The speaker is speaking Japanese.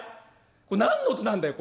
これ何の音なんだよ！？